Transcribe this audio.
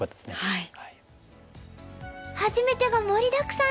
はい。